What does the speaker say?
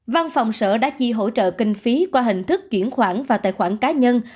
văn phòng sở đã chi hỗ trợ kinh phí qua hình thức chuyển khoản và tài khoản cá nhân